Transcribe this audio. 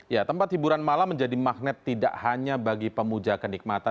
ya tempat hiburan malam menjadi magnet tidak hanya bagi pemuja kenikmatan